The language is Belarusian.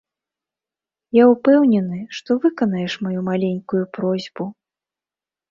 Я ўпэўнены, што выканаеш маю маленькую просьбу.